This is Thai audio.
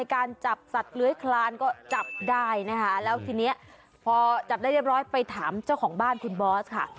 การจับสัตว์เลื้อยคลานก็จับได้นะคะแล้วทีนี้พอจับได้เรียบร้อยไปถามเจ้าของบ้านคุณบอสค่ะ